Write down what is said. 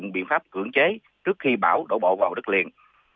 biện pháp cưỡng chế trước khi bão đổ bộ vào đất liền